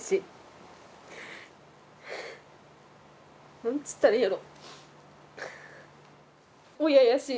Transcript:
何っつったらいいやろ。